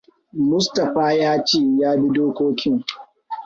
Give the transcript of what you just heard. Mustapha ya ce ya bi dokokin.